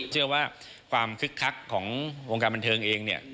เชื่อว่าความคึกคักของวงการบันเทิงเองเนี่ย